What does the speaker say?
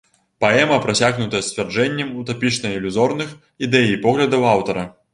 Паэма прасякнутая сцвярджэннем утапічна-ілюзорных ідэй і поглядаў аўтара.